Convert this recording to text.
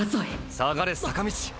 下がれ坂道！